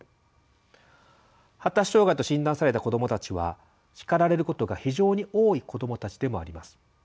発達障害と診断された子どもたちは叱られることが非常に多い子どもたちでもあります。